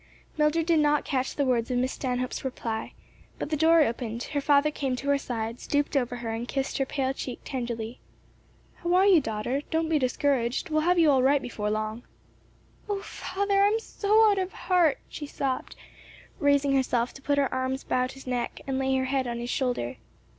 Mildred did not catch the words of Miss Stanhope's reply, but the door opened, her father came to her side, stooped over her and kissed her pale cheek tenderly. "How are you, daughter? Don't be discouraged; we'll have you all right before long." "O father, I'm so out of heart," she sobbed, raising herself to put her arms round his neck and lay her head on his shoulder.